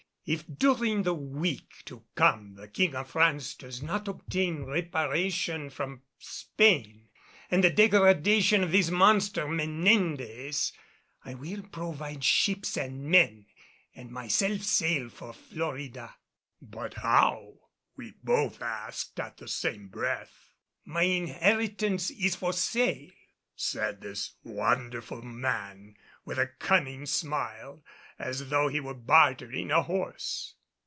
If during the week to come the King of France does not obtain reparation from Spain and the degradation of this monster, Menendez, I will provide ships and men, and myself sail for Florida." "But how?" we both asked in the same breath. "My inheritance is for sale," said this wonderful man with a cunning smile, as though he were bartering a horse.